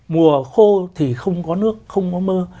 mùa khô thì không có nước không có mưa